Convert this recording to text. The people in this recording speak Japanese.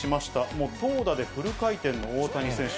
もう投打でフル回転の大谷選手。